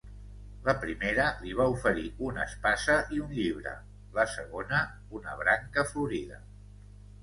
La primera li va oferir una espasa i un llibre; la segona, una branca florida.